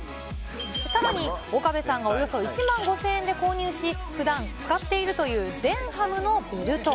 さらに、岡部さんがおよそ１万５０００円で購入し、ふだん使っているというデンハムのベルト。